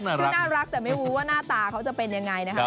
ชื่อน่ารักแต่ไม่รู้ว่าหน้าตาเขาจะเป็นยังไงนะครับ